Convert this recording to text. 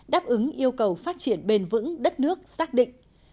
đáp ứng yêu cầu phát triển bền vững đất nước xác định